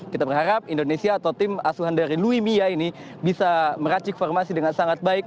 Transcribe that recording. kita berharap indonesia atau tim asuhan dari luimia ini bisa meracik formasi dengan sangat baik